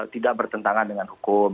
tidak bertentangan dengan hukum